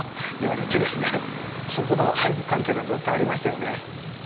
そこの敗北感っていうのはずっとありましたよね。